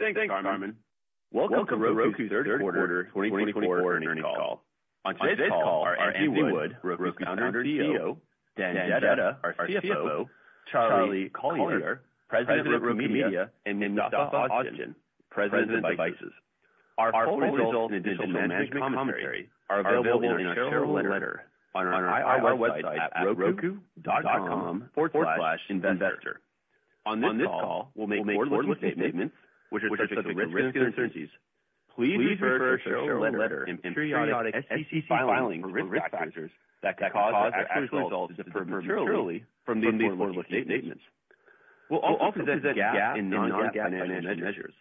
.Welcome to Roku Third Quarter 2024 Earnings Call. On today's call are Anthony Wood, Roku's CEO; Dan Jedda, our CFO; Charlie Collier, President of Roku Media; and Mustafa Ozgen, President of Devices. Our full results and additional management commentary are available in a shareholder letter on our website at roku.com/investor. On this call, we'll make forward-looking statements which are subject to risk and uncertainties. Please refer to the shareholder letter and periodic SEC filings for risk factors that could cause actual results to be materially different from these forward-looking statements. We'll also discuss GAAP and non-GAAP financial measures.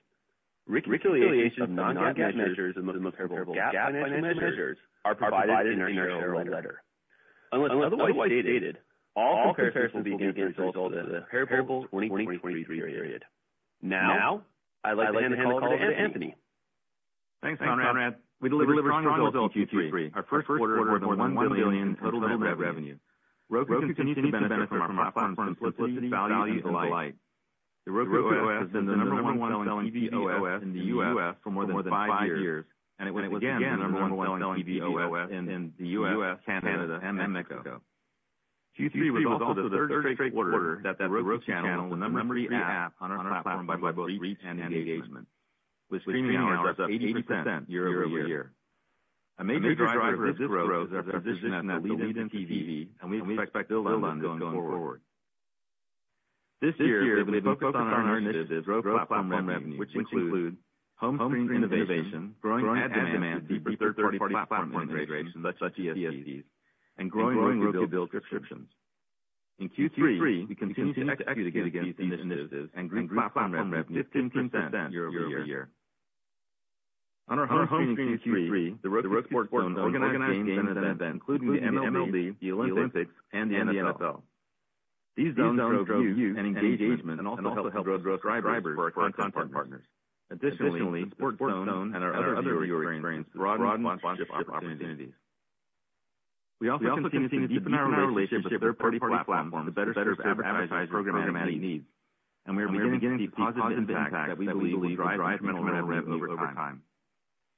Reconciliations of non-GAAP financial measures to comparable GAAP financial measures are provided in our shareholder letter. Unless otherwise stated, all comparisons will be made against the results of the comparable 2023 period. Now, I'd like to hand the call over to Anthony. Thanks, Conrad. We delivered strong results in Q3. Our third quarter was more than $1 billion in total revenue. Roku continued to benefit from our platform's simplicity and value of ROI. The Roku OS has been the number one selling TV OS in the U.S. for more than five years, and it was again the number one selling TV OS in the U.S., Canada, and Mexico. Q3 results also demonstrate that The Roku Channel is number three on our platform by both reach and engagement, with Streaming Hours up 80% year-over-year. A major driver of this growth is our position as a leading CTV, and we expect to build on it going forward. This year, we focused on our initiatives to grow Roku platform revenue, which include home screen innovation, growing ad demand through third-party platform integration such as DSPs, and growing Roku-billed subscriptions. In Q3, we continued to execute against these initiatives and grew platform revenue 15% year-over-year. On our home screen in Q3, the Roku Sports Zone organized games including the MLB, the Olympics, and the NFL. These games grew views and engagement and also helped drive growth for our content partners. Additionally, the Sports Zone and our other video experiences broadened sponsorship opportunities. We also continue to deepen our relationship with third-party platforms to better serve advertising programmatic needs, and we are beginning to get the positive impact that we believe will drive incremental revenue over time.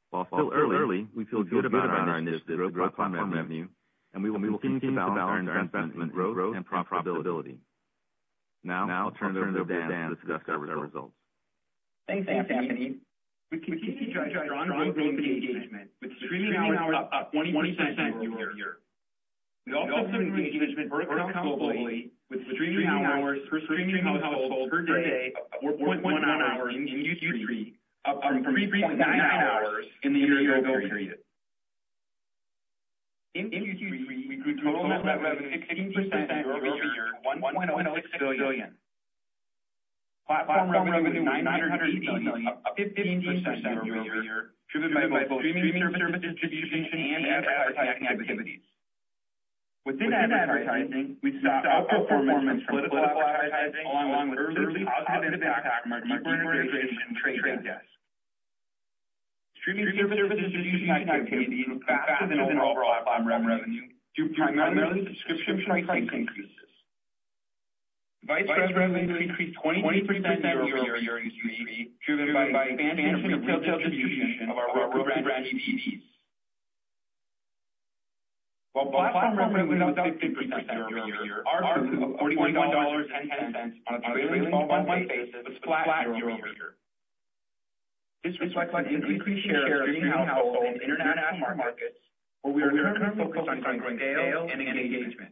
While still early, we feel good about our initiative to grow platform revenue, and we will continue to value our investment in growth and profitability. Now, I'll turn it over to Dan to discuss our results. Thanks, Anthony. We continue to drive strong growth engagement with Streaming Hours up 20% year-over-year. We also continue to engage with Roku globally with Streaming Hours per streaming household per day at 1.0 hour in Q3, up from 0.9 hours in the year-over-year period. In Q3, we grew total net revenue 15% year-over-year, $1.16 billion. Platform revenue $980 million up 15% year-over-year, driven by both streaming service distribution and advertising activities. Within advertising, we saw strong outperformance in political advertising along with early positive impact from our DSP integration and The Trade Desk. Streaming service distribution grew faster than overall platform revenue due primarily to subscription price increases. Viewership increased 20% year-over-year in Q3, driven by expansion of retail distribution of our Roku branded TVs. While platform revenue was up 15% year-over-year, our revenue was $41.10 on a trailing quarter-by-quarter basis with flat growth year-over-year. This reflects an increase in share in Streaming Households and international markets, where we are currently focused on scaling sales and engagement.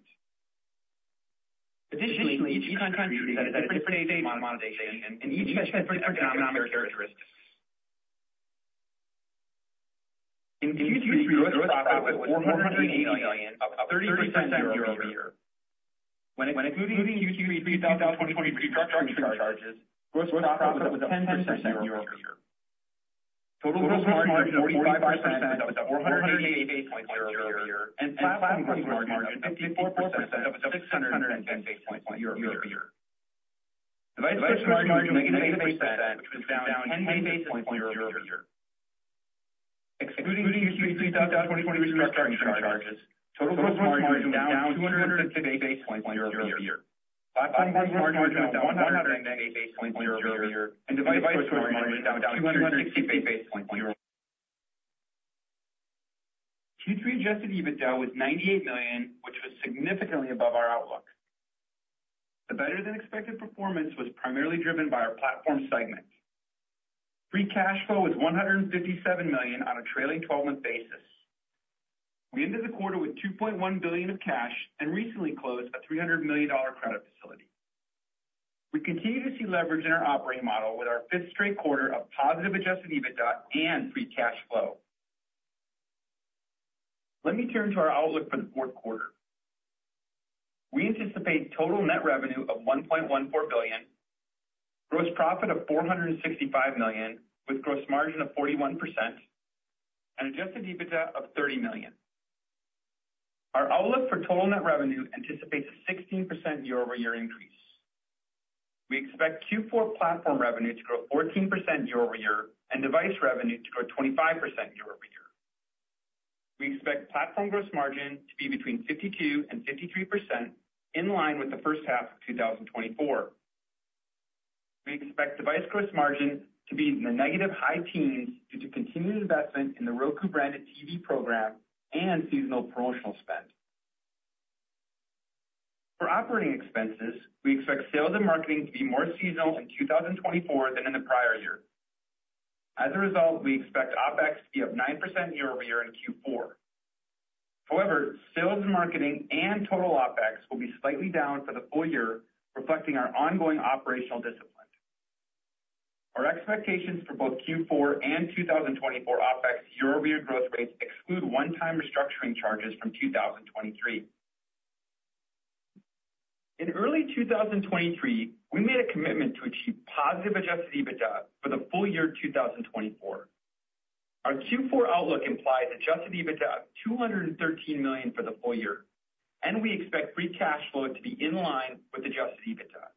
Additionally, each country has a different stage of monetization and each has different economic characteristics. In Q3, gross profit was $480 million, up 30% year-over-year. When including Q3 2023 stock-based compensation charges, gross profit was 10% year-over-year. Total gross margin was 45%, up 498 basis points year-over-year, and net platform gross margin was 54%, up 610 basis points year-over-year. The device margin was negative 8%, which was down 10 basis points year-over-year. Excluding Q3 2023 stock-based compensation charges, total gross margin was down 250 basis points year-over-year. Platform gross margin was down 110 basis points year-over-year, and the device margin was down 260 basis points year-over-year. Q3 Adjusted EBITDA was $98 million, which was significantly above our outlook. The better-than-expected performance was primarily driven by our platform segment. Free cash flow was $157 million on a trailing 12-month basis. We ended the quarter with $2.1 billion of cash and recently closed a $300 million credit facility. We continue to see leverage in our operating model with our fifth straight quarter of positive Adjusted EBITDA and free cash flow. Let me turn to our outlook for the fourth quarter. We anticipate total net revenue of $1.14 billion, gross profit of $465 million, with gross margin of 41%, and Adjusted EBITDA of $30 million. Our outlook for total net revenue anticipates a 16% year-over-year increase. We expect Q4 platform revenue to grow 14% year-over-year and device revenue to grow 25% year-over-year. We expect platform gross margin to be between 52 and 53% in line with the first half of 2024. We expect device gross margin to be in the negative high teens due to continued investment in the Roku branded TV program and seasonal promotional spend. For operating expenses, we expect sales and marketing to be more seasonal in 2024 than in the prior year. As a result, we expect OpEx to be up 9% year-over-year in Q4. However, sales and marketing and total OpEx will be slightly down for the full year, reflecting our ongoing operational discipline. Our expectations for both Q4 and 2024 OpEx year-over-year growth rates exclude one-time restructuring charges from 2023. In early 2023, we made a commitment to achieve positive Adjusted EBITDA for the full year 2024. Our Q4 outlook implies Adjusted EBITDA of $213 million for the full year, and we expect free cash flow to be in line with Adjusted EBITDA.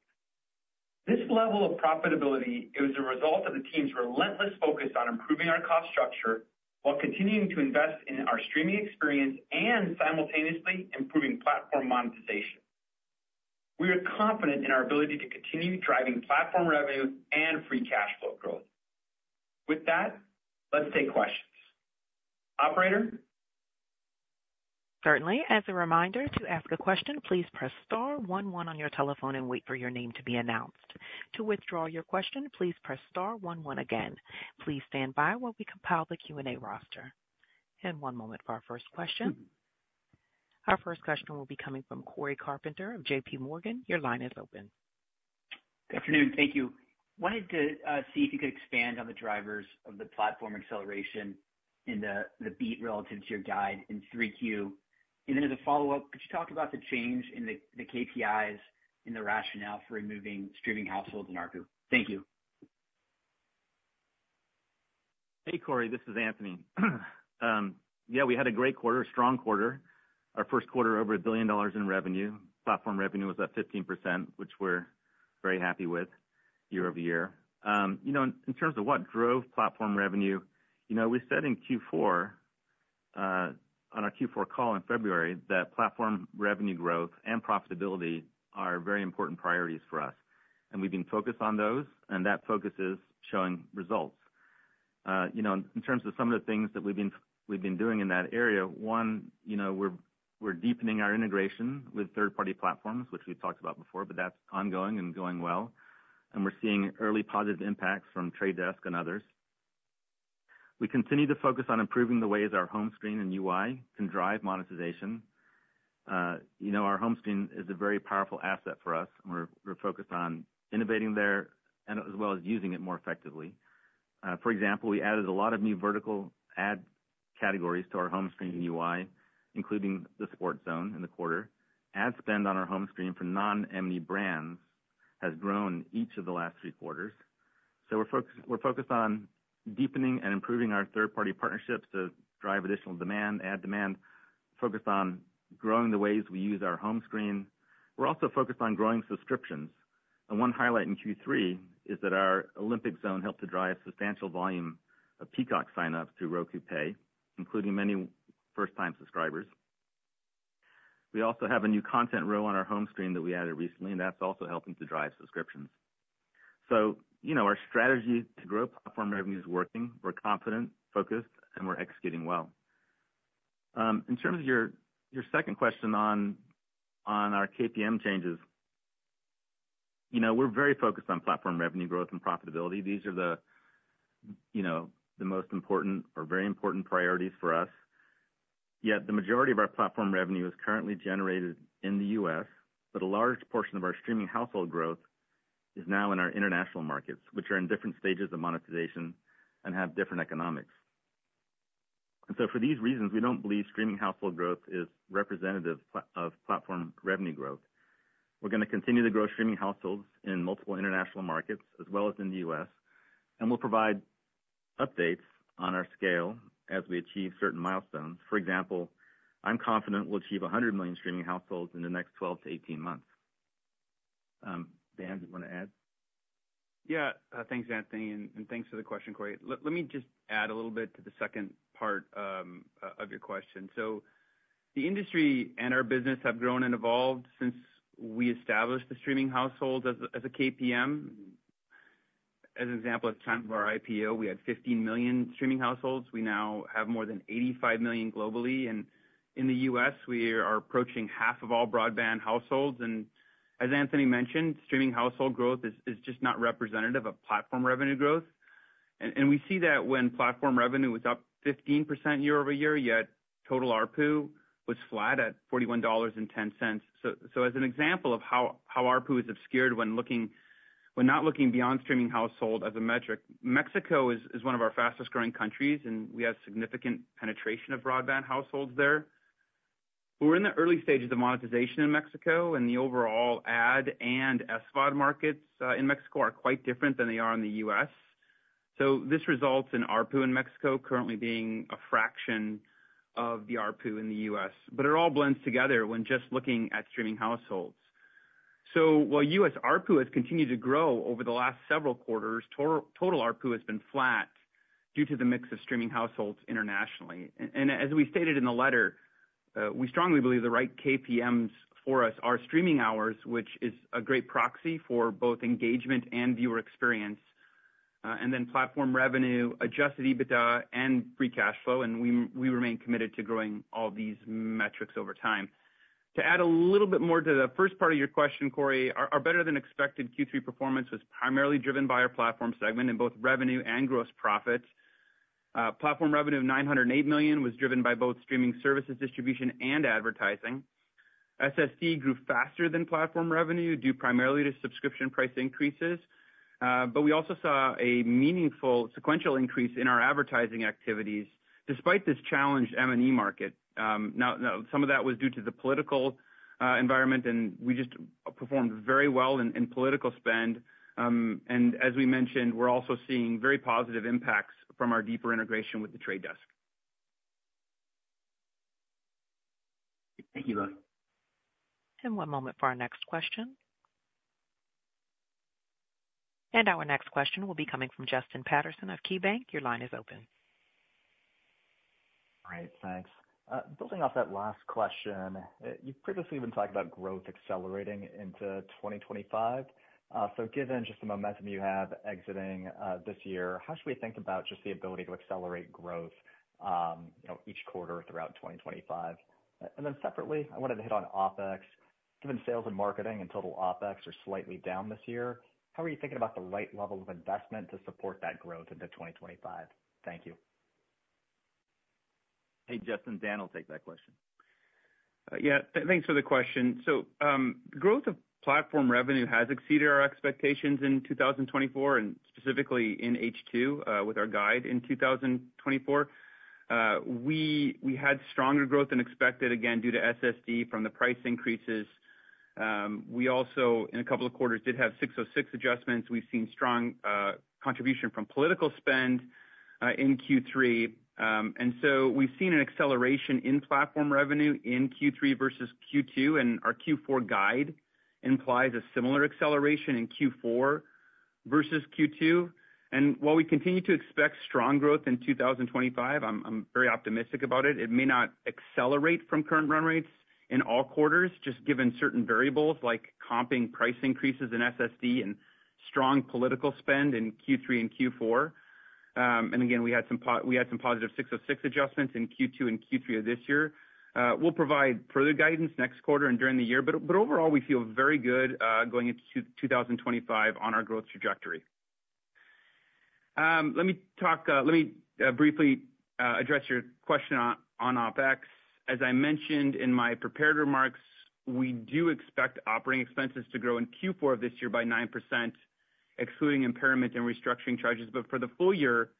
This level of profitability is a result of the team's relentless focus on improving our cost structure while continuing to invest in our streaming experience and simultaneously improving platform monetization. We are confident in our ability to continue driving platform revenue and free cash flow growth. With that, let's take questions. Operator? Certainly. As a reminder, to ask a question, please press star one one on your telephone and wait for your name to be announced. To withdraw your question, please press star one one again. Please stand by while we compile the Q&A roster. And one moment for our first question. Our first question will be coming from Cory Carpenter of JPMorgan. Your line is open. Good afternoon. Thank you. Wanted to see if you could expand on the drivers of the platform acceleration in the beat relative to your guide in 3Q? And then as a follow-up, could you talk about the change in the KPIs and the rationale for removing Streaming Households and ARPU? Thank you. Hey, Cory. This is Anthony. Yeah, we had a great quarter, a strong quarter. Our first quarter over $1 billion in revenue. Platform revenue was up 15%, which we're very happy with year-over-year. In terms of what drove platform revenue, we said in Q4, on our Q4 call in February, that platform revenue growth and profitability are very important priorities for us. And we've been focused on those, and that focus is showing results. In terms of some of the things that we've been doing in that area, one, we're deepening our integration with third-party platforms, which we've talked about before, but that's ongoing and going well. And we're seeing early positive impacts from The Trade Desk and others. We continue to focus on improving the ways our home screen and UI can drive monetization. Our home screen is a very powerful asset for us, and we're focused on innovating there as well as using it more effectively. For example, we added a lot of new vertical ad categories to our home screen and UI, including the Sports Zone in the quarter. Ad spend on our home screen for non-M&E brands has grown each of the last three quarters. So we're focused on deepening and improving our third-party partnerships to drive additional demand, ad demand, focused on growing the ways we use our home screen. We're also focused on growing subscriptions, and one highlight in Q3 is that our Olympic Zone helped to drive substantial volume of Peacock sign-ups through Roku Pay, including many first-time subscribers. We also have a new content row on our home screen that we added recently, and that's also helping to drive subscriptions. So our strategy to grow platform revenue is working. We're confident, focused, and we're executing well. In terms of your second question on our KPM changes, we're very focused on platform revenue growth and profitability. These are the most important or very important priorities for us. Yet the majority of our platform revenue is currently generated in the U.S., but a large portion of our streaming household growth is now in our international markets, which are in different stages of monetization and have different economics. And so for these reasons, we don't believe streaming household growth is representative of platform revenue growth. We're going to continue to grow Streaming Households in multiple international markets as well as in the U.S., and we'll provide updates on our scale as we achieve certain milestones. For example, I'm confident we'll achieve 100 million Streaming Households in the next 12-18 months. Dan, do you want to add? Yeah. Thanks, Anthony. And thanks for the question, Cory. Let me just add a little bit to the second part of your question. So the industry and our business have grown and evolved since we established the Streaming Households as a KPM. As an example, at the time of our IPO, we had 15 million Streaming Households. We now have more than 85 million globally. And in the U.S., we are approaching half of all broadband households. And as Anthony mentioned, streaming household growth is just not representative of platform revenue growth. And we see that when platform revenue was up 15% year-over-year, yet total RPU was flat at $41.10. So as an example of how RPU is obscured when not looking beyond streaming household as a metric, Mexico is one of our fastest-growing countries, and we have significant penetration of broadband households there. We're in the early stages of monetization in Mexico, and the overall ad and SVOD markets in Mexico are quite different than they are in the U.S. So this results in RPU in Mexico currently being a fraction of the RPU in the U.S., but it all blends together when just looking at Streaming Households. So while U.S. RPU has continued to grow over the last several quarters, total RPU has been flat due to the mix of Streaming Households internationally, and as we stated in the letter, we strongly believe the right KPMs for us are Streaming Hours, which is a great proxy for both engagement and viewer experience, and then platform revenue, Adjusted EBITDA, and free cash flow, and we remain committed to growing all these metrics over time. To add a little bit more to the first part of your question, Cory, our better-than-expected Q3 performance was primarily driven by our platform segment in both revenue and gross profits. Platform revenue of $908 million was driven by both streaming services distribution and advertising. SSD grew faster than platform revenue due primarily to subscription price increases, but we also saw a meaningful sequential increase in our advertising activities despite this challenged M&E market. Now, some of that was due to the political environment, and we just performed very well in political spend. And as we mentioned, we're also seeing very positive impacts from our deeper integration with The Trade Desk. Thank you both. One moment for our next question. Our next question will be coming from Justin Patterson of KeyBank. Your line is open. All right. Thanks. Building off that last question, you've previously been talking about growth accelerating into 2025, so given just the momentum you have exiting this year, how should we think about just the ability to accelerate growth each quarter throughout 2025, and then separately, I wanted to hit on OpEx. Given sales and marketing and total OpEx are slightly down this year, how are you thinking about the right level of investment to support that growth into 2025? Thank you. Hey, Justin. Dan will take that question. Yeah. Thanks for the question. So growth of platform revenue has exceeded our expectations in 2024, and specifically in H2 with our guide in 2024. We had stronger growth than expected, again, due to SSD from the price increases. We also, in a couple of quarters, did have 606 adjustments. We've seen strong contribution from political spend in Q3. And so we've seen an acceleration in platform revenue in Q3 versus Q2, and our Q4 guide implies a similar acceleration in Q4 versus Q2. And while we continue to expect strong growth in 2025, I'm very optimistic about it. It may not accelerate from current run rates in all quarters, just given certain variables like comping price increases in SSD and strong political spend in Q3 and Q4. And again, we had some positive 606 adjustments in Q2 and Q3 of this year. We'll provide further guidance next quarter and during the year, but overall, we feel very good going into 2025 on our growth trajectory. Let me briefly address your question on OpEx. As I mentioned in my prepared remarks, we do expect operating expenses to grow in Q4 of this year by 9%, excluding impairment and restructuring charges. But for the full year,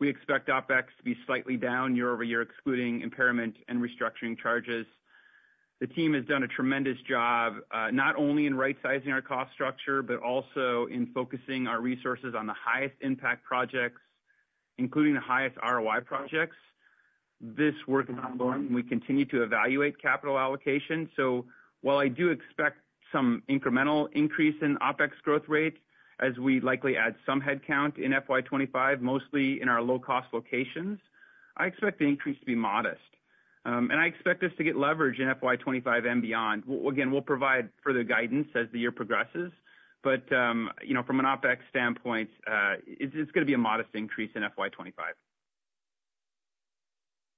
we expect OpEx to be slightly down year-over-year, excluding impairment and restructuring charges. The team has done a tremendous job not only in right-sizing our cost structure, but also in focusing our resources on the highest impact projects, including the highest ROI projects. This work is ongoing, and we continue to evaluate capital allocation. So while I do expect some incremental increase in OpEx growth rate as we likely add some headcount in FY2025, mostly in our low-cost locations, I expect the increase to be modest. I expect us to get leverage in FY2025 and beyond. Again, we'll provide further guidance as the year progresses, but from an OpEx standpoint, it's going to be a modest increase in FY2025.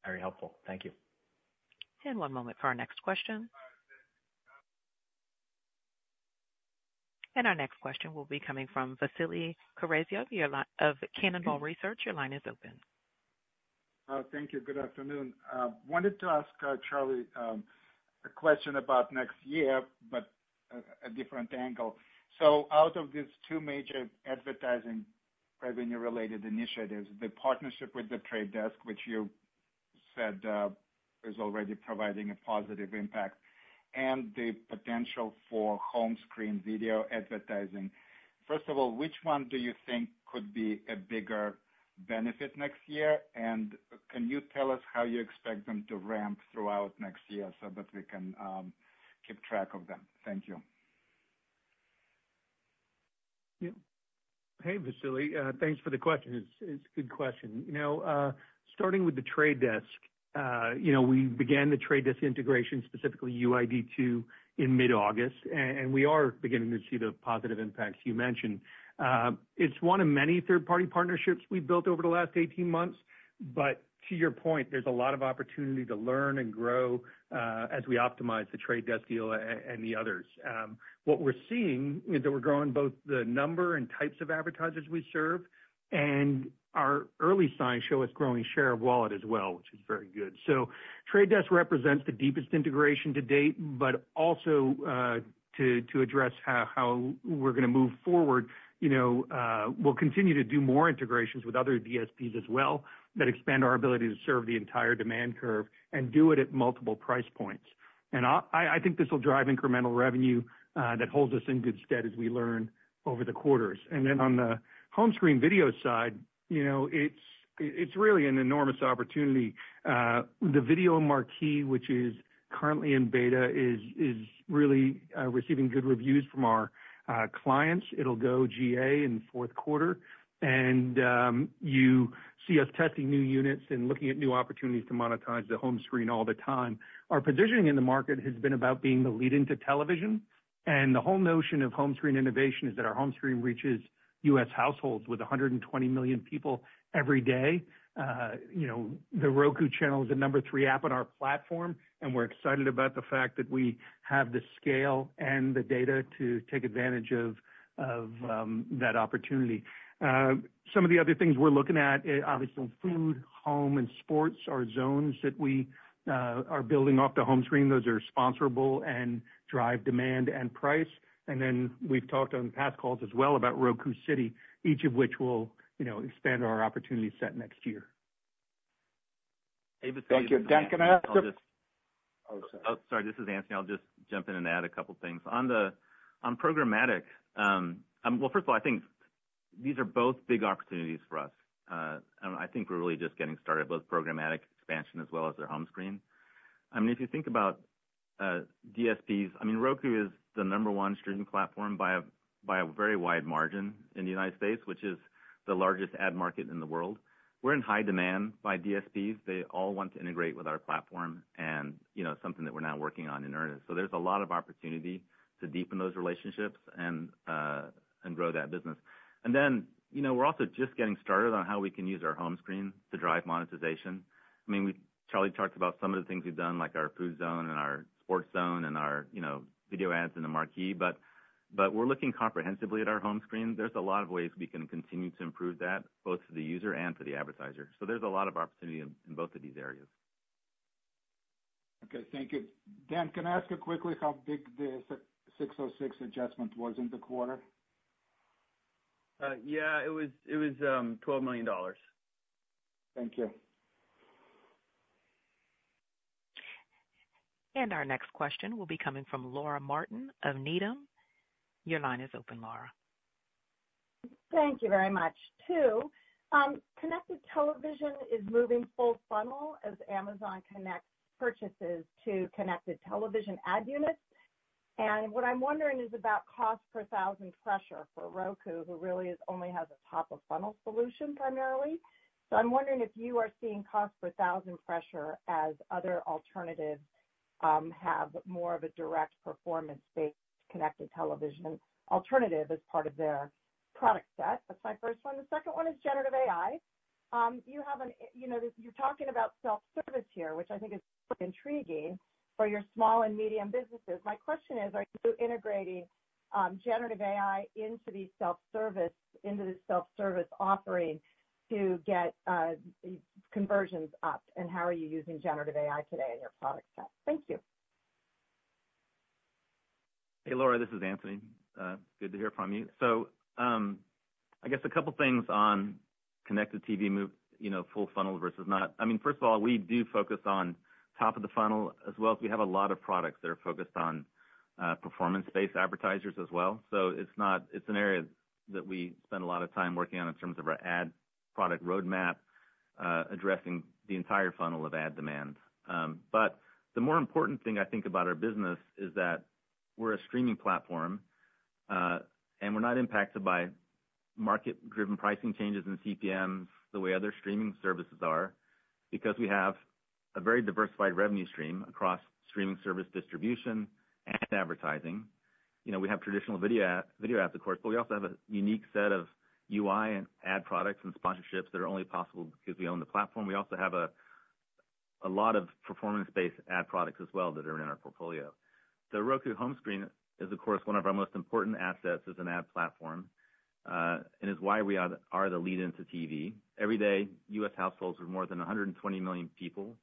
Very helpful. Thank you. One moment for our next question. Our next question will be coming from Vasily Karasyov of Cannonball Research. Your line is open. Thank you. Good afternoon. Wanted to ask Charlie a question about next year, but a different angle. So out of these two major advertising revenue-related initiatives, the partnership with The Trade Desk, which you said is already providing a positive impact, and the potential for home screen video advertising, first of all, which one do you think could be a bigger benefit next year? And can you tell us how you expect them to ramp throughout next year so that we can keep track of them? Thank you. Yeah. Hey, Vasily. Thanks for the question. It's a good question. Starting with the Trade Desk, we began the Trade Desk integration, specifically UID2, in mid-August, and we are beginning to see the positive impacts you mentioned. It's one of many third-party partnerships we've built over the last 18 months, but to your point, there's a lot of opportunity to learn and grow as we optimize the Trade Desk deal and the others. What we're seeing is that we're growing both the number and types of advertisers we serve, and our early signs show us growing share of wallet as well, which is very good. The Trade Desk represents the deepest integration to date, but also to address how we're going to move forward, we'll continue to do more integrations with other DSPs as well that expand our ability to serve the entire demand curve and do it at multiple price points. I think this will drive incremental revenue that holds us in good stead as we learn over the quarters. On the home screen video side, it's really an enormous opportunity. The video marquee, which is currently in beta, is really receiving good reviews from our clients. It'll go GA in the fourth quarter, and you see us testing new units and looking at new opportunities to monetize the home screen all the time. Our positioning in the market has been about being the lead into television, and the whole notion of home screen innovation is that our home screen reaches U.S. households with 120 million people every day. The Roku Channel is the number three app on our platform, and we're excited about the fact that we have the scale and the data to take advantage of that opportunity. Some of the other things we're looking at, obviously, food, home, and sports are zones that we are building off the home screen. Those are sponsorable and drive demand and price, and then we've talked on past calls as well about Roku City, each of which will expand our opportunity set next year. Thank you. Dan, can I add something? Oh, sorry. Oh, sorry. This is Anthony. I'll just jump in and add a couple of things. On programmatic, well, first of all, I think these are both big opportunities for us. I think we're really just getting started, both programmatic expansion as well as their home screen. I mean, if you think about DSPs, I mean, Roku is the number one streaming platform by a very wide margin in the United States, which is the largest ad market in the world. We're in high demand by DSPs. They all want to integrate with our platform and something that we're now working on in earnest. So there's a lot of opportunity to deepen those relationships and grow that business. And then we're also just getting started on how we can use our home screen to drive monetization. I mean, Charlie talked about some of the things we've done, like our food zone and our sports zone and our video ads and the marquee, but we're looking comprehensively at our home screen. There's a lot of ways we can continue to improve that, both for the user and for the advertiser, so there's a lot of opportunity in both of these areas. Okay. Thank you. Dan, can I ask you quickly how big the 606 adjustment was in the quarter? Yeah. It was $12 million. Thank you. Our next question will be coming from Laura Martin of Needham. Your line is open, Laura. Thank you very much. Two, connected television is moving full funnel as Amazon connects purchases to connected television ad units. And what I'm wondering is about cost per thousand pressure for Roku, who really only has a top-of-funnel solution primarily. So I'm wondering if you are seeing cost per thousand pressure as other alternatives have more of a direct performance-based connected television alternative as part of their product set. That's my first one. The second one is generative AI. You're talking about self-service here, which I think is intriguing for your small and medium businesses. My question is, are you integrating generative AI into the self-service offering to get conversions up? And how are you using generative AI today in your product set? Thank you. Hey, Laura. This is Anthony. Good to hear from you. So I guess a couple of things on connected TV, full funnel versus not. I mean, first of all, we do focus on top of the funnel as well as we have a lot of products that are focused on performance-based advertisers as well. So it's an area that we spend a lot of time working on in terms of our ad product roadmap, addressing the entire funnel of ad demand. But the more important thing I think about our business is that we're a streaming platform, and we're not impacted by market-driven pricing changes in CPMs the way other streaming services are because we have a very diversified revenue stream across streaming service distribution and advertising. We have traditional video ads, of course, but we also have a unique set of UI and ad products and sponsorships that are only possible because we own the platform. We also have a lot of performance-based ad products as well that are in our portfolio. The Roku home screen is, of course, one of our most important assets as an ad platform and is why we are the lead into TV. Every day, U.S. households with more than 120 million people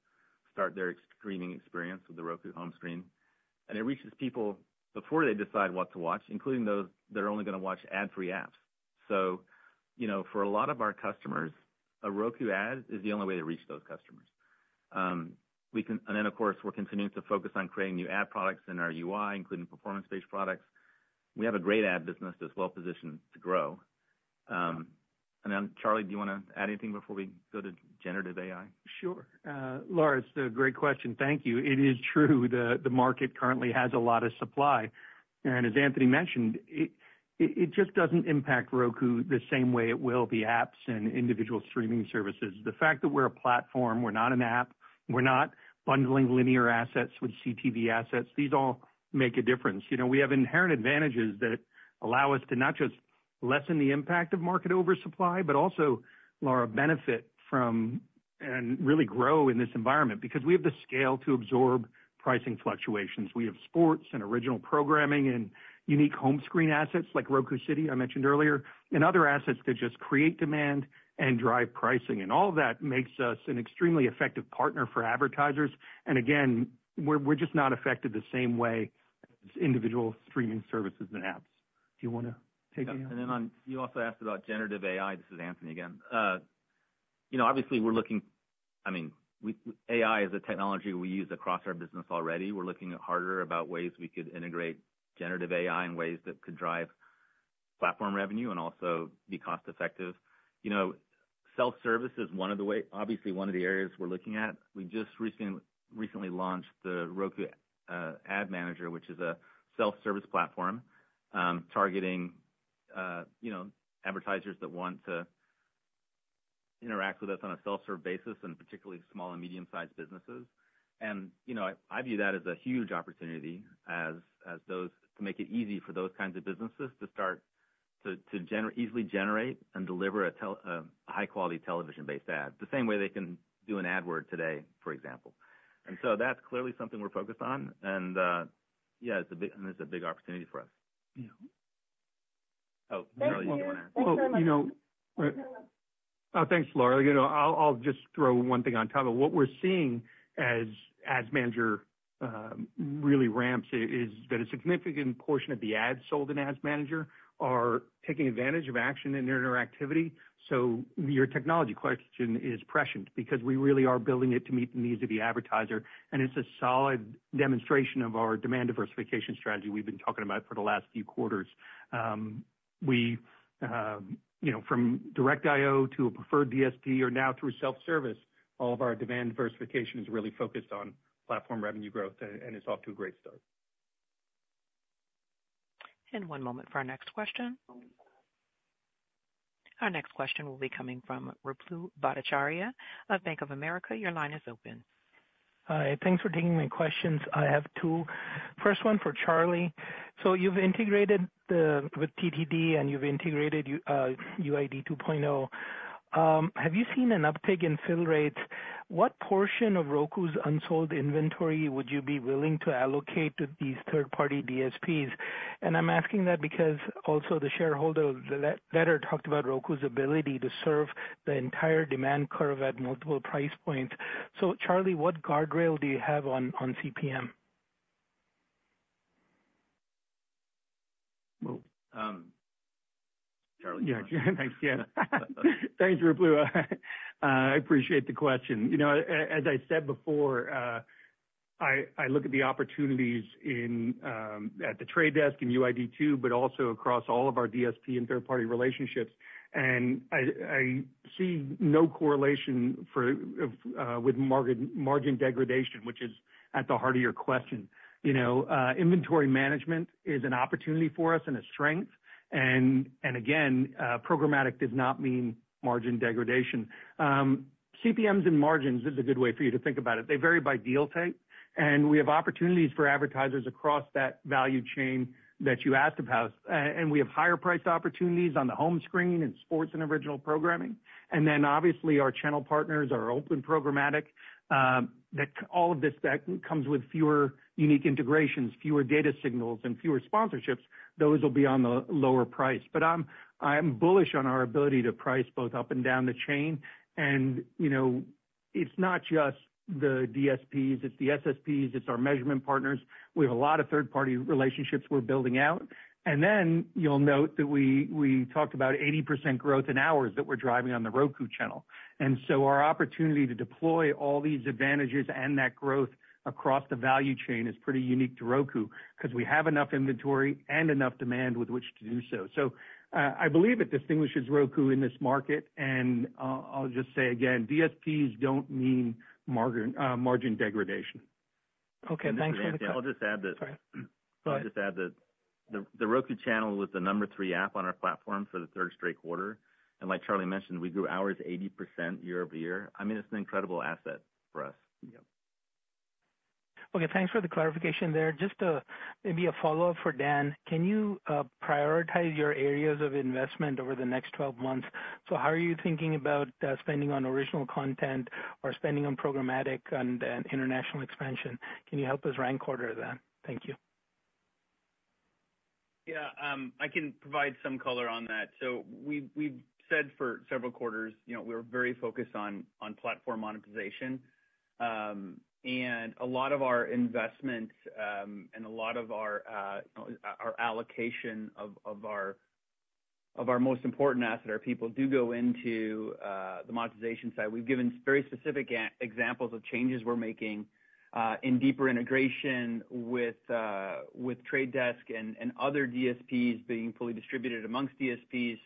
start their streaming experience with the Roku home screen, and it reaches people before they decide what to watch, including those that are only going to watch ad-free apps, so for a lot of our customers, a Roku ad is the only way to reach those customers, and then, of course, we're continuing to focus on creating new ad products in our UI, including performance-based products. We have a great ad business that's well-positioned to grow, and Charlie, do you want to add anything before we go to generative AI? Sure. Laura, it's a great question. Thank you. It is true the market currently has a lot of supply, and as Anthony mentioned, it just doesn't impact Roku the same way it will the apps and individual streaming services. The fact that we're a platform, we're not an app, we're not bundling linear assets with CTV assets, these all make a difference. We have inherent advantages that allow us to not just lessen the impact of market oversupply, but also, Laura, benefit from and really grow in this environment because we have the scale to absorb pricing fluctuations. We have sports and original programming and unique home screen assets like Roku City, I mentioned earlier, and other assets that just create demand and drive pricing, and all of that makes us an extremely effective partner for advertisers. Again, we're just not affected the same way as individual streaming services and apps. Do you want to take me on? Then you also asked about generative AI. This is Anthony again. Obviously, we're looking, I mean, AI is a technology we use across our business already. We're looking harder about ways we could integrate generative AI in ways that could drive platform revenue and also be cost-effective. Self-service is one of the ways, obviously, one of the areas we're looking at. We just recently launched the Roku Ad Manager, which is a self-service platform targeting advertisers that want to interact with us on a self-serve basis, and particularly small and medium-sized businesses. And I view that as a huge opportunity to make it easy for those kinds of businesses to start to easily generate and deliver a high-quality television-based ad, the same way they can do an AdWords today, for example. And so that's clearly something we're focused on. And yeah, it's a big opportunity for us. Oh, Carol, you want to add something? Oh, thanks, Laura. I'll just throw one thing on top of it. What we're seeing as Ad Manager really ramps is that a significant portion of the ads sold in Ad Manager are taking advantage of action and their interactivity. So your technology question is prescient because we really are building it to meet the needs of the advertiser. And it's a solid demonstration of our demand diversification strategy we've been talking about for the last few quarters. From direct IO to a preferred DSP or now through self-service, all of our demand diversification is really focused on platform revenue growth and is off to a great start. One moment for our next question. Our next question will be coming from Ruplu Bhattacharya of Bank of America. Your line is open. Hi. Thanks for taking my questions. I have two. First one for Charlie. So you've integrated with TTD and you've integrated UID 2.0. Have you seen an uptick in fill rates? What portion of Roku's unsold inventory would you be willing to allocate to these third-party DSPs? And I'm asking that because also the shareholder letter talked about Roku's ability to serve the entire demand curve at multiple price points. So Charlie, what guardrail do you have on CPM? Charlie. Yeah. Thanks, Dan. Thanks, Roku. I appreciate the question. As I said before, I look at the opportunities at The Trade Desk and UID2, but also across all of our DSP and third-party relationships. And I see no correlation with margin degradation, which is at the heart of your question. Inventory management is an opportunity for us and a strength. And again, programmatic does not mean margin degradation. CPMs and margins is a good way for you to think about it. They vary by deal type. And we have opportunities for advertisers across that value chain that you asked about. And we have higher-priced opportunities on the home screen and sports and original programming. And then obviously, our channel partners are open programmatic. All of this comes with fewer unique integrations, fewer data signals, and fewer sponsorships. Those will be on the lower price. But I'm bullish on our ability to price both up and down the chain. And it's not just the DSPs. It's the SSPs. It's our measurement partners. We have a lot of third-party relationships we're building out. And then you'll note that we talked about 80% growth in hours that we're driving on the Roku channel. And so our opportunity to deploy all these advantages and that growth across the value chain is pretty unique to Roku because we have enough inventory and enough demand with which to do so. So I believe it distinguishes Roku in this market. And I'll just say again, DSPs don't mean margin degradation. Okay. Thanks for the question. I'll just add that the Roku Channel was the number three app on our platform for the third straight quarter. And like Charlie mentioned, we grew hours 80% year-over-year. I mean, it's an incredible asset for us. Yep. Okay. Thanks for the clarification there. Just maybe a follow-up for Dan. Can you prioritize your areas of investment over the next 12 months? So how are you thinking about spending on original content or spending on programmatic and international expansion? Can you help us rank order that? Thank you. Yeah. I can provide some color on that. So we've said for several quarters, we're very focused on platform monetization. And a lot of our investment and a lot of our allocation of our most important asset are people do go into the monetization side. We've given very specific examples of changes we're making in deeper integration with Trade Desk and other DSPs being fully distributed amongst DSPs.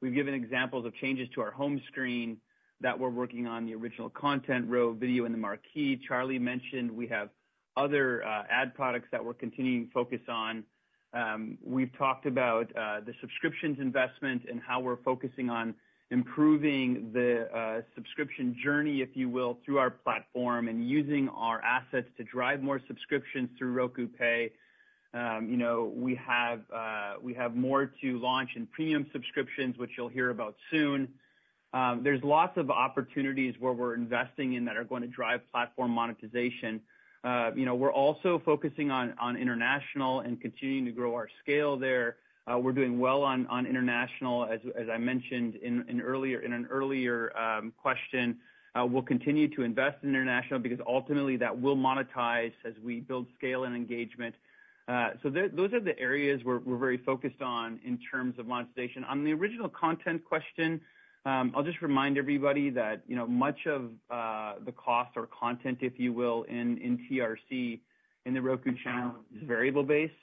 We've given examples of changes to our home screen that we're working on the original content row, video in the marquee. Charlie mentioned we have other ad products that we're continuing to focus on. We've talked about the subscriptions investment and how we're focusing on improving the subscription journey, if you will, through our platform and using our assets to drive more subscriptions through Roku Pay. We have more to launch in premium subscriptions, which you'll hear about soon. are lots of opportunities where we're investing in that are going to drive platform monetization. We're also focusing on international and continuing to grow our scale there. We're doing well on international, as I mentioned in an earlier question. We'll continue to invest in international because ultimately that will monetize as we build scale and engagement. So those are the areas we're very focused on in terms of monetization. On the original content question, I'll just remind everybody that much of the cost of content, if you will, in TRC, The Roku Channel, is variable-based,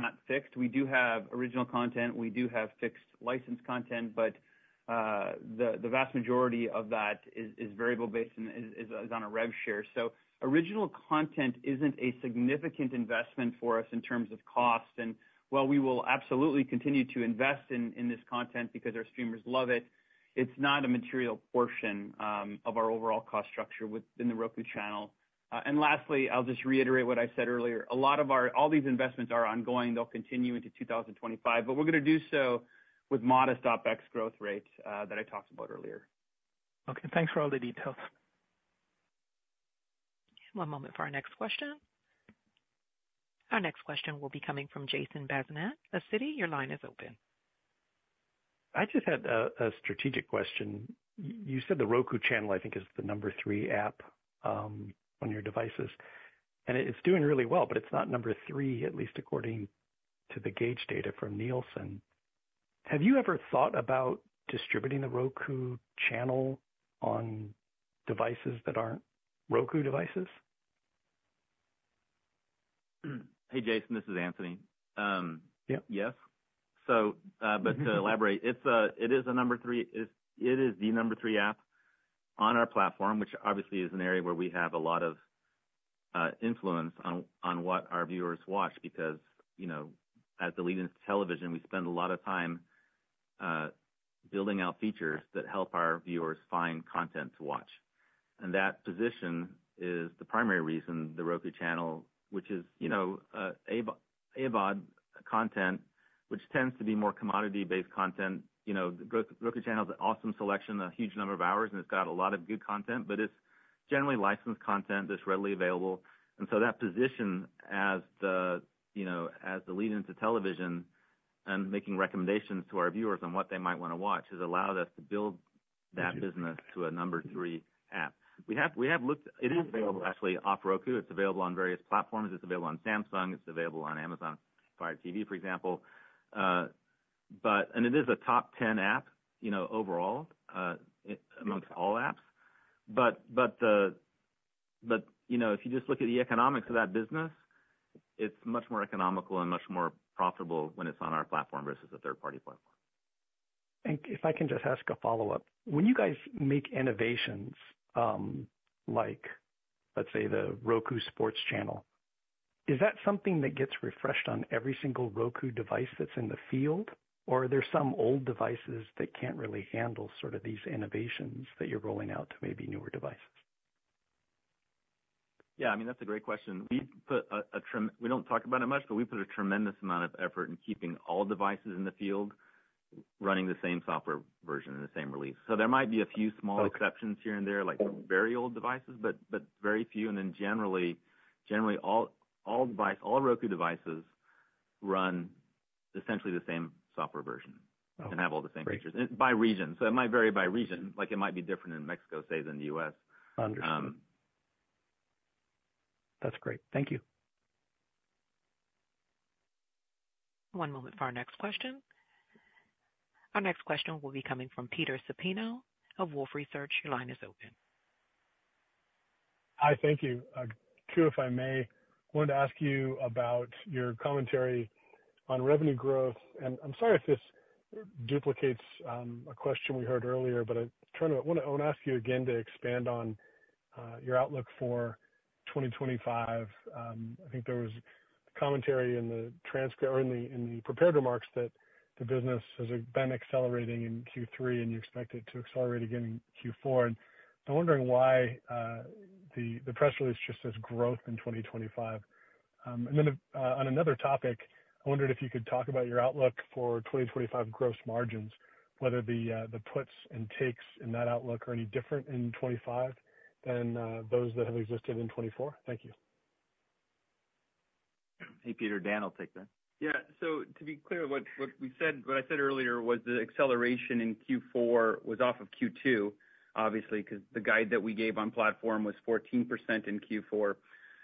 not fixed. We do have original content. We do have fixed license content. But the vast majority of that is variable-based and is on a rev share. So original content isn't a significant investment for us in terms of cost. While we will absolutely continue to invest in this content because our streamers love it, it's not a material portion of our overall cost structure within the Roku channel. Lastly, I'll just reiterate what I said earlier. A lot of all these investments are ongoing. They'll continue into 2025. We're going to do so with modest OpEx growth rates that I talked about earlier. Okay. Thanks for all the details. One moment for our next question. Our next question will be coming from Jason Bazinet of Citi, your line is open. I just had a strategic question. You said the Roku channel, I think, is the number three app on your devices, and it's doing really well, but it's not number three, at least according to The Gauge data from Nielsen. Have you ever thought about distributing the Roku channel on devices that aren't Roku devices? Hey, Jason. This is Anthony. Yes, but to elaborate, it is the number three. It is the number three app on our platform, which obviously is an area where we have a lot of influence on what our viewers watch because as the lead into television, we spend a lot of time building out features that help our viewers find content to watch, and that position is the primary reason The Roku Channel, which is AVOD content, which tends to be more commodity-based content. The Roku Channel is an awesome selection, a huge number of hours, and it's got a lot of good content, but it's generally licensed content that's readily available. And so that position as the lead into television and making recommendations to our viewers on what they might want to watch has allowed us to build that business to a number three app. We have looked at it. It is available, actually, on Roku. It's available on various platforms. It's available on Samsung. It's available on Amazon Fire TV, for example. And it is a top 10 app overall amongst all apps. But if you just look at the economics of that business, it's much more economical and much more profitable when it's on our platform versus a third-party platform. If I can just ask a follow-up. When you guys make innovations like, let's say, the Roku Sports Zone, is that something that gets refreshed on every single Roku device that's in the field? Or are there some old devices that can't really handle sort of these innovations that you're rolling out to maybe newer devices? Yeah. I mean, that's a great question. We don't talk about it much, but we put a tremendous amount of effort in keeping all devices in the field running the same software version and the same release. So there might be a few small exceptions here and there, like very old devices, but very few. And then generally, all Roku devices run essentially the same software version and have all the same features by region. So it might vary by region. It might be different in Mexico, say, than the U.S. Understood. That's great. Thank you. One moment for our next question. Our next question will be coming from Peter Supino of Wolfe Research. Your line is open. Hi. Thank you. Two, if I may, I wanted to ask you about your commentary on revenue growth, and I'm sorry if this duplicates a question we heard earlier, but I want to ask you again to expand on your outlook for 2025. I think there was commentary in the prepared remarks that the business has been accelerating in Q3, and you expect it to accelerate again in Q4, and I'm wondering why the press release just says growth in 2025, and then on another topic, I wondered if you could talk about your outlook for 2025 gross margins, whether the puts and takes in that outlook are any different in '25 than those that have existed in '24. Thank you. Hey, Peter. Dan will take that. Yeah. So to be clear, what I said earlier was the acceleration in Q4 was off of Q2, obviously, because the guide that we gave on platform was 14% in Q4.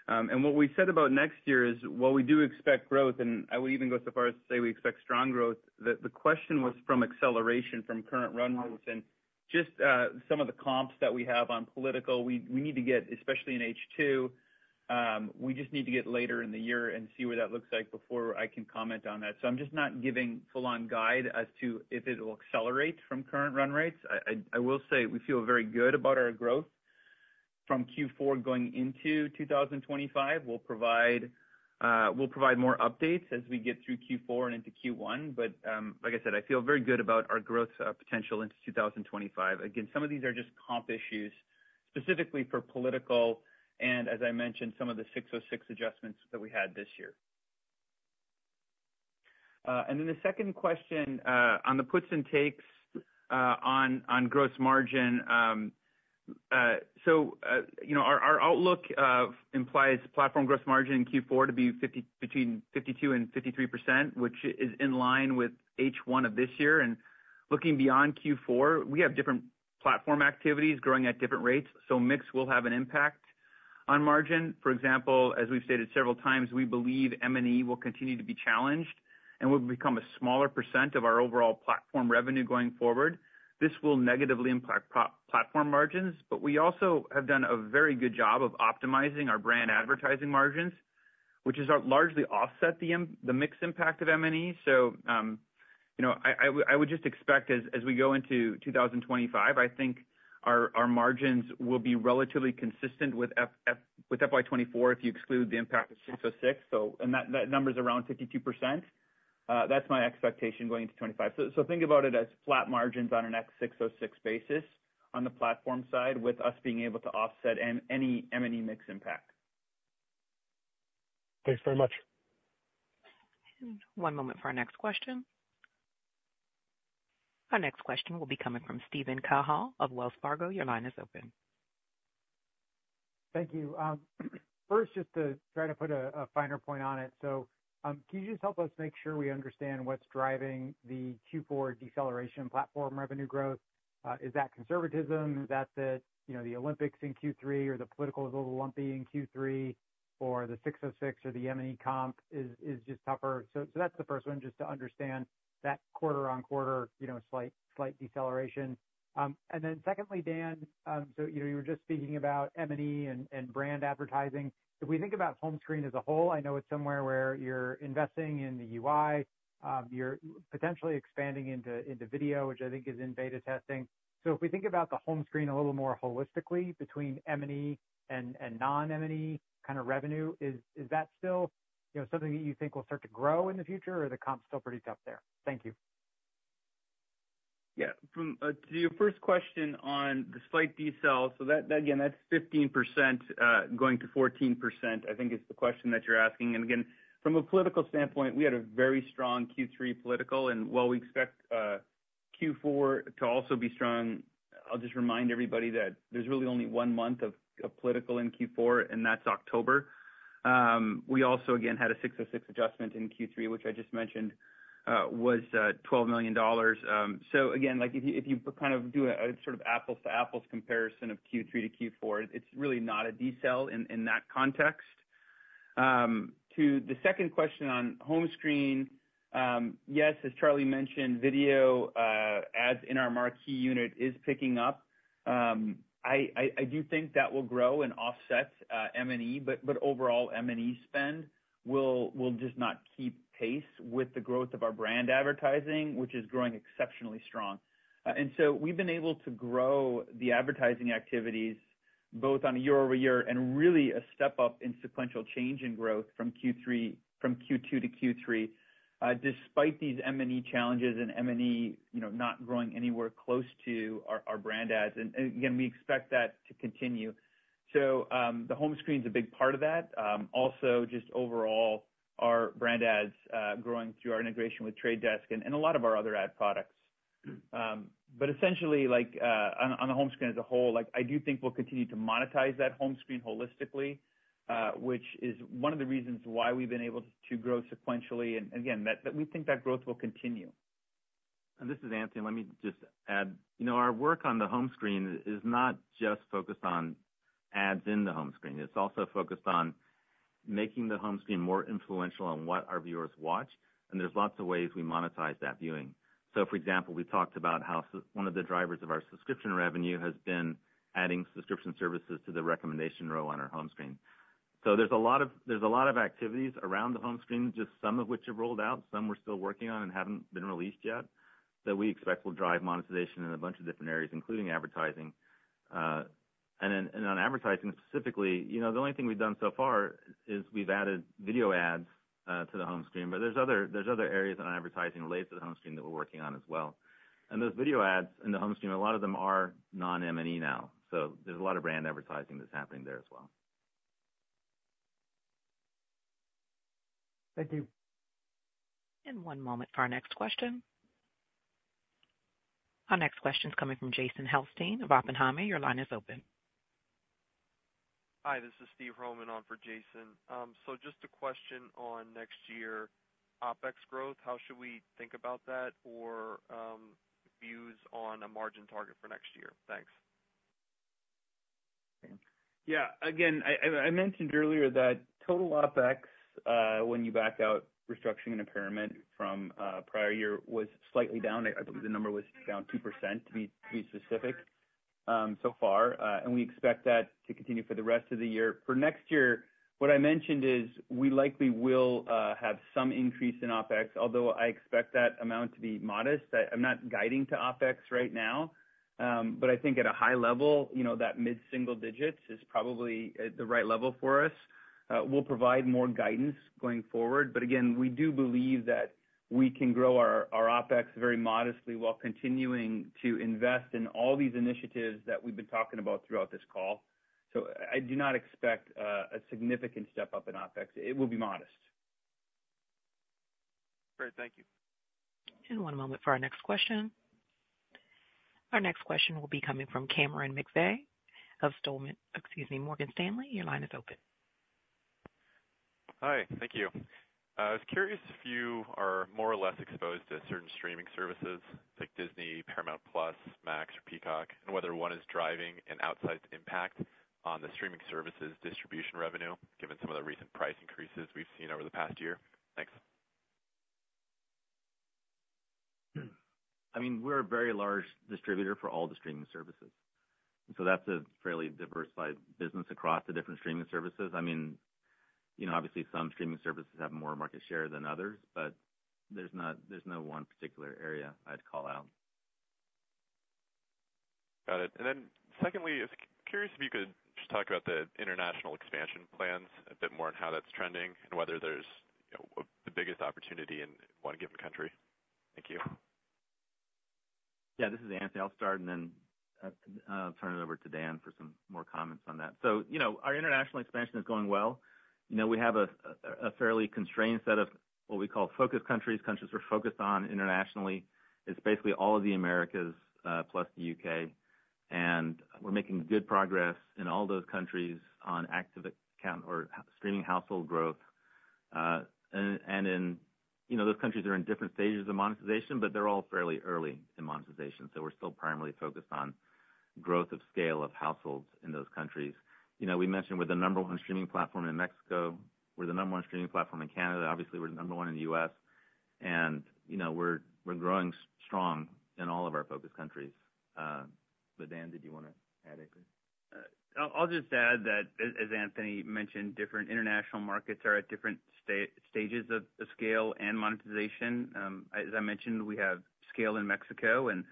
What we said about next year is, well, we do expect growth. I would even go so far as to say we expect strong growth. The question was from acceleration from current run rates and just some of the comps that we have on political. We need to get, especially in H2, we just need to get later in the year and see what that looks like before I can comment on that. So I'm just not giving full-on guide as to if it will accelerate from current run rates. I will say we feel very good about our growth from Q4 going into 2025. We'll provide more updates as we get through Q4 and into Q1, but like I said, I feel very good about our growth potential into 2025. Again, some of these are just comp issues specifically for political and, as I mentioned, some of the 606 adjustments that we had this year, and then the second question on the puts and takes on gross margin. So our outlook implies platform gross margin in Q4 to be between 52% and 53%, which is in line with H1 of this year, and looking beyond Q4, we have different platform activities growing at different rates, so mix will have an impact on margin. For example, as we've stated several times, we believe M&E will continue to be challenged, and we'll become a smaller percent of our overall platform revenue going forward. This will negatively impact platform margins. But we also have done a very good job of optimizing our brand advertising margins, which has largely offset the mixed impact of M&E, so I would just expect as we go into 2025, I think our margins will be relatively consistent with FY2024 if you exclude the impact of 606, and that number is around 52%. That's my expectation going into 2025, so think about it as flat margins on an ex-606 basis on the platform side with us being able to offset any M&E mix impact. Thanks very much. One moment for our next question. Our next question will be coming from Steven Cahall of Wells Fargo. Your line is open. Thank you. First, just to try to put a finer point on it, so can you just help us make sure we understand what's driving the Q4 deceleration platform revenue growth? Is that conservatism? Is that the Olympics in Q3 or the political is a little lumpy in Q3 or the 606 or the M&E comp is just tougher? So that's the first one, just to understand that quarter-on-quarter slight deceleration, and then secondly, Dan, so you were just speaking about M&E and brand advertising. If we think about home screen as a whole, I know it's somewhere where you're investing in the UI. You're potentially expanding into video, which I think is in beta testing. So if we think about the home screen a little more holistically between M&E and non-M&E kind of revenue, is that still something that you think will start to grow in the future, or are the comps still pretty tough there? Thank you. Yeah. To your first question on the slight decel, so again, that's 15% going to 14%, I think, is the question that you're asking. And again, from a political standpoint, we had a very strong Q3 political. And while we expect Q4 to also be strong, I'll just remind everybody that there's really only one month of political in Q4, and that's October. We also, again, had a 606 adjustment in Q3, which I just mentioned was $12 million. So again, if you kind of do a sort of apples-to-apples comparison of Q3 to Q4, it's really not a decel in that context. To the second question on home screen, yes, as Charlie mentioned, video, as in our marquee unit, is picking up. I do think that will grow and offset M&E, but overall, M&E spend will just not keep pace with the growth of our brand advertising, which is growing exceptionally strong. And so we've been able to grow the advertising activities both on a year-over-year and really a step up in sequential change in growth from Q2 to Q3, despite these M&E challenges and M&E not growing anywhere close to our brand ads. And again, we expect that to continue. So the home screen is a big part of that. Also, just overall, our brand ads growing through our integration with Trade Desk and a lot of our other ad products. But essentially, on the home screen as a whole, I do think we'll continue to monetize that home screen holistically, which is one of the reasons why we've been able to grow sequentially. And again, we think that growth will continue. And this is Anthony. Let me just add. Our work on the home screen is not just focused on ads in the home screen. It's also focused on making the home screen more influential on what our viewers watch. And there's lots of ways we monetize that viewing. So for example, we talked about how one of the drivers of our subscription revenue has been adding subscription services to the recommendation row on our home screen. So there's a lot of activities around the home screen, just some of which have rolled out, some we're still working on and haven't been released yet, that we expect will drive monetization in a bunch of different areas, including advertising. And on advertising specifically, the only thing we've done so far is we've added video ads to the home screen. There's other areas on advertising related to the home screen that we're working on as well. Those video ads in the home screen, a lot of them are non-M&E now. There's a lot of brand advertising that's happening there as well. Thank you. One moment for our next question. Our next question is coming from Jason Helfstein of Oppenheimer. Your line is open. Hi. This is Steve Hromin on for Jason. So just a question on next year's OpEx growth. How should we think about that or views on a margin target for next year? Thanks. Yeah. Again, I mentioned earlier that total OpEx, when you back out restructuring and impairment from prior year, was slightly down. I believe the number was down 2%, to be specific, so far, and we expect that to continue for the rest of the year. For next year, what I mentioned is we likely will have some increase in OpEx, although I expect that amount to be modest. I'm not guiding to OpEx right now, but I think at a high level, that mid-single digits is probably the right level for us. We'll provide more guidance going forward, but again, we do believe that we can grow our OpEx very modestly while continuing to invest in all these initiatives that we've been talking about throughout this call, so I do not expect a significant step up in OpEx. It will be modest. Great. Thank you. And one moment for our next question. Our next question will be coming from Cameron McVeigh of Stolman, excuse me, Morgan Stanley. Your line is open. Hi. Thank you. I was curious if you are more or less exposed to certain streaming services like Disney, Paramount+, Max, or Peacock, and whether one is driving an outsized impact on the streaming services distribution revenue, given some of the recent price increases we've seen over the past year. Thanks. I mean, we're a very large distributor for all the streaming services. So that's a fairly diversified business across the different streaming services. I mean, obviously, some streaming services have more market share than others, but there's no one particular area I'd call out. Got it. And then secondly, I was curious if you could just talk about the international expansion plans a bit more and how that's trending and whether there's the biggest opportunity in one given country? Thank you. Yeah. This is Anthony. I'll start, and then I'll turn it over to Dan for some more comments on that. So our international expansion is going well. We have a fairly constrained set of what we call focus countries, countries we're focused on internationally. It's basically all of the Americas plus the U.K. And we're making good progress in all those countries on active account or streaming household growth. And those countries are in different stages of monetization, but they're all fairly early in monetization. So we're still primarily focused on growth of scale of households in those countries. We mentioned we're the number one streaming platform in Mexico. We're the number one streaming platform in Canada. Obviously, we're the number one in the U.S. And we're growing strong in all of our focus countries. But Dan, did you want to add anything? I'll just add that, as Anthony mentioned, different international markets are at different stages of scale and monetization. As I mentioned, we have scale in Mexico, and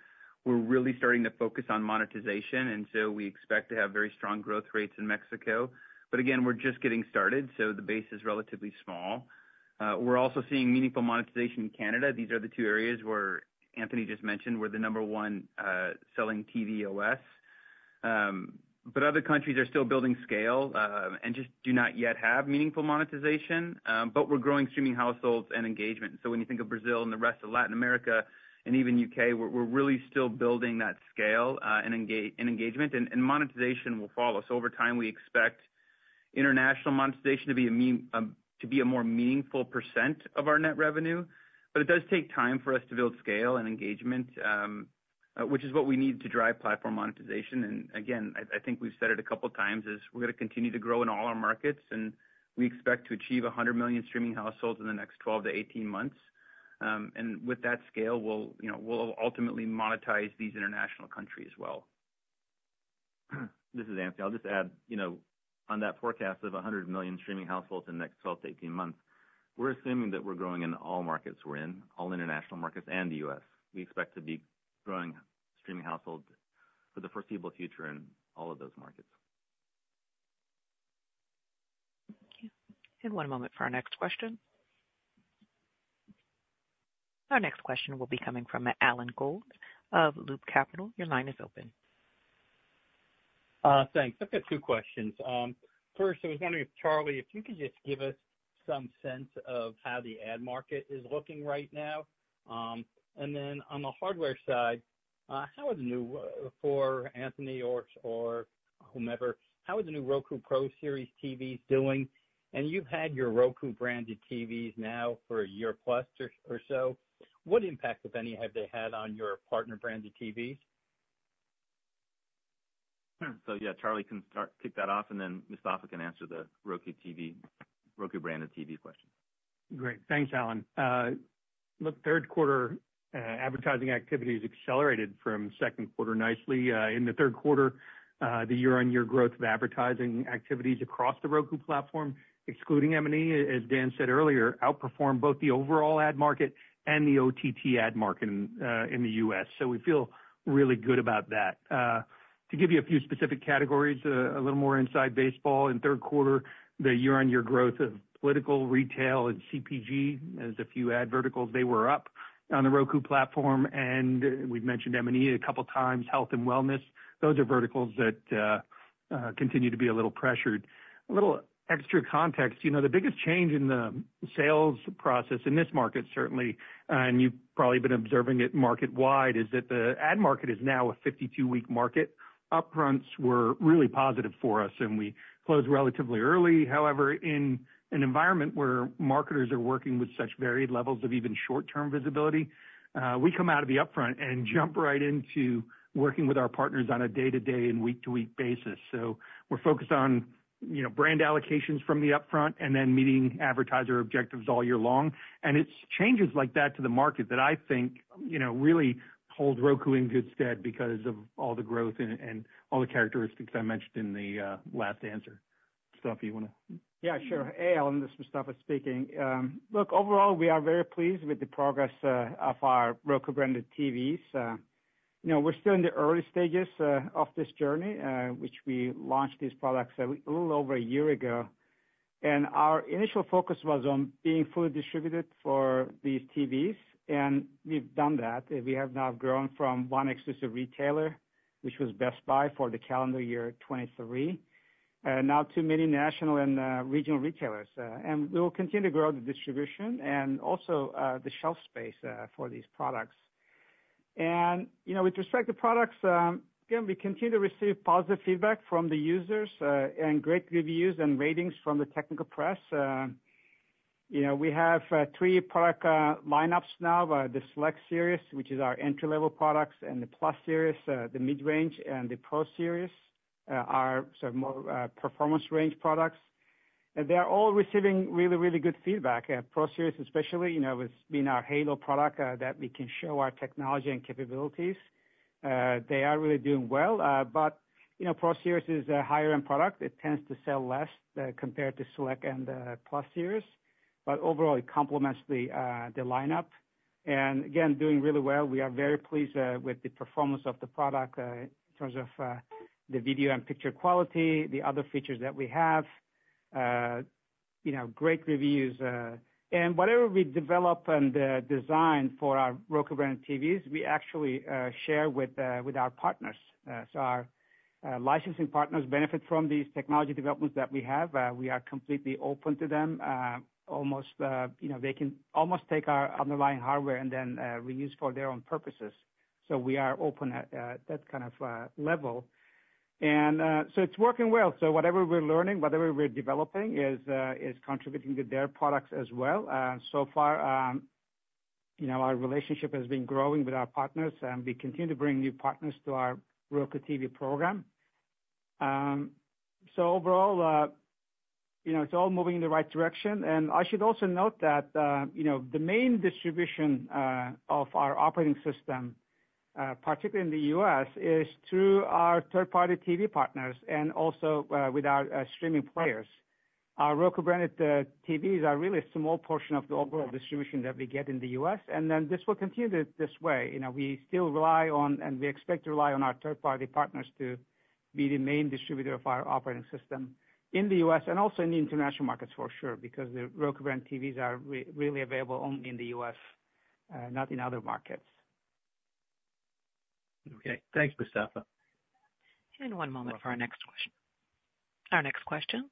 we're really starting to focus on monetization, and so we expect to have very strong growth rates in Mexico, but again, we're just getting started, so the base is relatively small. We're also seeing meaningful monetization in Canada. These are the two areas where Anthony just mentioned were the number one selling TV OS, but other countries are still building scale and just do not yet have meaningful monetization, but we're growing Streaming Households and engagement, so when you think of Brazil and the rest of Latin America and even UK, we're really still building that scale and engagement, and monetization will follow, so over time, we expect international monetization to be a more meaningful percent of our net revenue. It does take time for us to build scale and engagement, which is what we need to drive platform monetization. And again, I think we've said it a couple of times is we're going to continue to grow in all our markets, and we expect to achieve 100 million Streaming Households in the next 12-18 months. And with that scale, we'll ultimately monetize these international countries well. This is Anthony. I'll just add, on that forecast of 100 million Streaming Households in the next 12 to 18 months, we're assuming that we're growing in all markets we're in, all international markets and the U.S. We expect to be growing Streaming Households for the foreseeable future in all of those markets. Thank you. And one moment for our next question. Our next question will be coming from Alan Gould of Loop Capital. Your line is open. Thanks. I've got two questions. First, I was wondering if Charlie, if you could just give us some sense of how the ad market is looking right now? And then on the hardware side, how are the new - for Anthony or whomever - how are the new Roku Pro Series TVs doing? And you've had your Roku-branded TVs now for a year-plus or so. What impact, if any, have they had on your partner-branded TVs? So yeah, Charlie can start, kick that off, and then Mustafa can answer the Roku TV, Roku-branded TV question. Great. Thanks, Alan. Look, third quarter advertising activities accelerated from second quarter nicely. In the third quarter, the year-on-year growth of advertising activities across the Roku platform, excluding M&E, as Dan said earlier, outperformed both the overall ad market and the OTT ad market in the U.S. So we feel really good about that. To give you a few specific categories, a little more inside baseball, in third quarter, the year-on-year growth of political, retail, and CPG, as a few ad verticals, they were up on the Roku platform, and we've mentioned M&E a couple of times, health and wellness. Those are verticals that continue to be a little pressured. A little extra context. The biggest change in the sales process in this market, certainly, and you've probably been observing it market-wide, is that the ad market is now a 52-week market. Upfronts were really positive for us, and we closed relatively early. However, in an environment where marketers are working with such varied levels of even short-term visibility, we come out of the upfront and jump right into working with our partners on a day-to-day and week-to-week basis. So we're focused on brand allocations from the upfront and then meeting advertiser objectives all year long, and it's changes like that to the market that I think really hold Roku in good stead because of all the growth and all the characteristics I mentioned in the last answer. Mustafa, you want to? Yeah, sure. Hey, Alan. This is Mustafa speaking. Look, overall, we are very pleased with the progress of our Roku-branded TVs. We're still in the early stages of this journey, which we launched these products a little over a year ago. And our initial focus was on being fully distributed for these TVs. And we've done that. We have now grown from one exclusive retailer, which was Best Buy, for the calendar year 2023, now to many national and regional retailers. And we will continue to grow the distribution and also the shelf space for these products. And with respect to products, again, we continue to receive positive feedback from the users and great reviews and ratings from the technical press. We have three product lineups now: the Select Series, which is our entry-level products, and the Plus Series, the mid-range, and the Pro Series, our sort of more performance-range products, and they are all receiving really, really good feedback. Pro Series, especially, has been our halo product that we can show our technology and capabilities. They are really doing well, but Pro Series is a higher-end product. It tends to sell less compared to Select and the Plus Series, but overall, it complements the lineup, and again, doing really well. We are very pleased with the performance of the product in terms of the video and picture quality, the other features that we have, great reviews, and whatever we develop and design for our Roku-branded TVs, we actually share with our partners, so our licensing partners benefit from these technology developments that we have. We are completely open to them. They can almost take our underlying hardware and then reuse for their own purposes. So we are open at that kind of level. And so it's working well. So whatever we're learning, whatever we're developing, is contributing to their products as well. So far, our relationship has been growing with our partners, and we continue to bring new partners to our Roku TV program. So overall, it's all moving in the right direction. And I should also note that the main distribution of our operating system, particularly in the U.S., is through our third-party TV partners and also with our streaming players. Our Roku-branded TVs are really a small portion of the overall distribution that we get in the U.S. And then this will continue this way. We still rely on, and we expect to rely on our third-party partners to be the main distributor of our operating system in the U.S. and also in the international markets, for sure, because the Roku-branded TVs are really available only in the U.S., not in other markets. Okay. Thanks, Mustafa. And one moment for our next question. Our next question,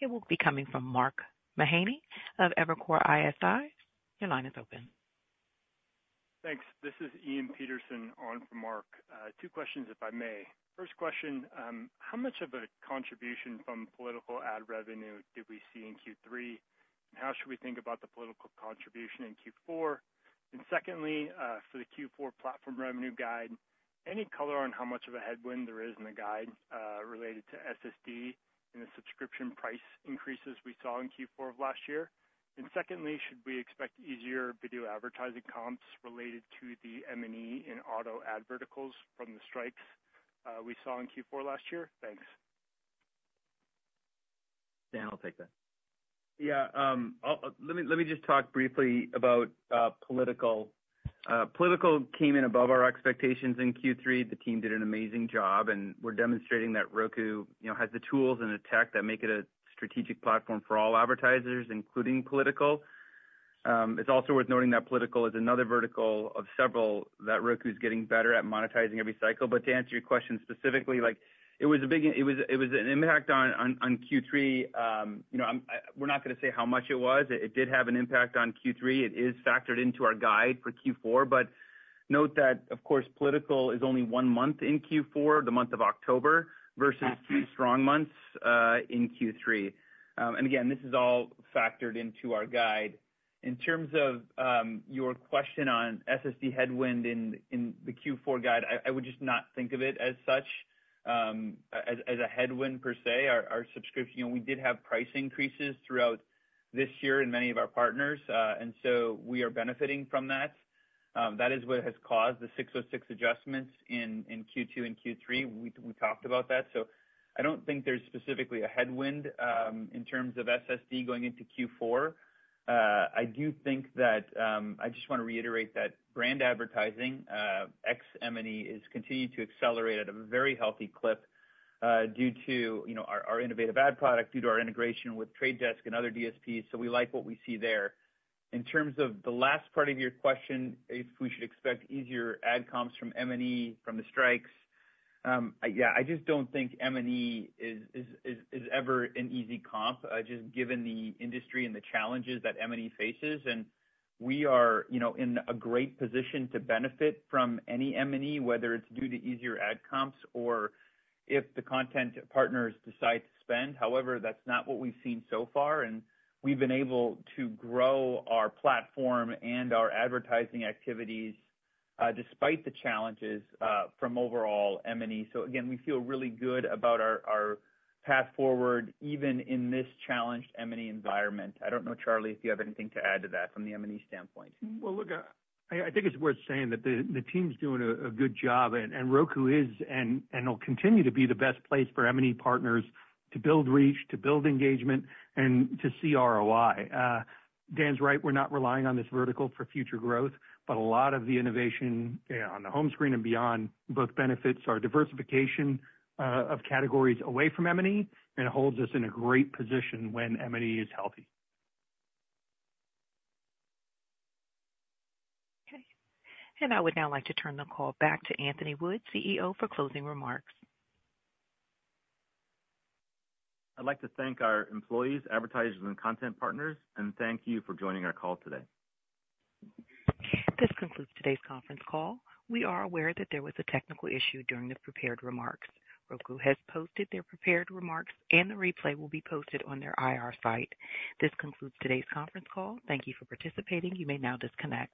it will be coming from Mark Mahaney of Evercore ISI. Your line is open. Thanks. This is Ian Peterson on for Mark. Two questions, if I may. First question, how much of a contribution from political ad revenue did we see in Q3? And how should we think about the political contribution in Q4? And secondly, for the Q4 platform revenue guide, any color on how much of a headwind there is in the guide related to SSD and the subscription price increases we saw in Q4 of last year? And secondly, should we expect easier video advertising comps related to the M&E and auto ad verticals from the strikes we saw in Q4 last year? Thanks. Dan, I'll take that. Yeah. Let me just talk briefly about political. Political came in above our expectations in Q3. The team did an amazing job, and we're demonstrating that Roku has the tools and the tech that make it a strategic platform for all advertisers, including political. It's also worth noting that political is another vertical of several that Roku is getting better at monetizing every cycle. But to answer your question specifically, it was an impact on Q3. We're not going to say how much it was. It did have an impact on Q3. It is factored into our guide for Q4. But note that, of course, political is only one month in Q4, the month of October, versus three strong months in Q3. And again, this is all factored into our guide. In terms of your question on SSD headwind in the Q4 guide, I would just not think of it as such, as a headwind per se. Our subscription, we did have price increases throughout this year in many of our partners. And so we are benefiting from that. That is what has caused the 606 adjustments in Q2 and Q3. We talked about that. So I don't think there's specifically a headwind in terms of SSD going into Q4. I do think that I just want to reiterate that brand advertising, M&E, is continuing to accelerate at a very healthy clip due to our innovative ad product, due to our integration with Trade Desk and other DSPs. So we like what we see there. In terms of the last part of your question, if we should expect easier ad comps from M&E, from the strikes, yeah, I just don't think M&E is ever an easy comp, just given the industry and the challenges that M&E faces. We are in a great position to benefit from any M&E, whether it's due to easier ad comps or if the content partners decide to spend. However, that's not what we've seen so far. We have been able to grow our platform and our advertising activities despite the challenges from overall M&E. Again, we feel really good about our path forward, even in this challenged M&E environment. I don't know, Charlie, if you have anything to add to that from the M&E standpoint. Look, I think it's worth saying that the team's doing a good job, and Roku is and will continue to be the best place for M&E partners to build reach, to build engagement, and to see ROI. Dan's right. We're not relying on this vertical for future growth. But a lot of the innovation on the home screen and beyond both benefits our diversification of categories away from M&E and holds us in a great position when M&E is healthy. Okay, and I would now like to turn the call back to Anthony Wood, CEO, for closing remarks. I'd like to thank our employees, advertisers, and content partners, and thank you for joining our call today. This concludes today's conference call. We are aware that there was a technical issue during the prepared remarks. Roku has posted their prepared remarks, and the replay will be posted on their IR site. This concludes today's conference call. Thank you for participating. You may now disconnect.